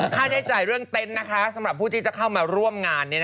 ค่าใช้จ่ายเรื่องเต็นต์สำหรับผู้ที่จะเข้ามาร่วมงาน